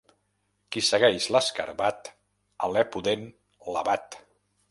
Qui segueix l'escarabat, alè pudent l'abat.